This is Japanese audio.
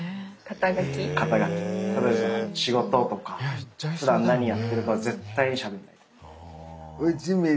例えば仕事とかふだん何やってるかは絶対にしゃべんない。